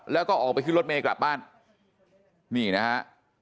แล้วก็ออกไปขึ้นรถเมย์กลับบ้านนี่นะฮะ